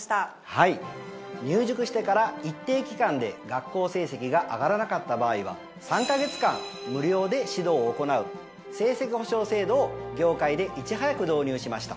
はい入塾してから一定期間で学校成績が上がらなかった場合は３か月間無料で指導を行う成績保証制度を業界でいち早く導入しました。